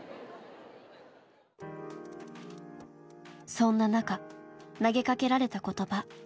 そんな中投げかけられた言葉。